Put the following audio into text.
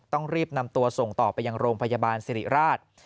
ต้องรีบนำตัวส่งต่อไปยังโรงพยาบาลสิริราช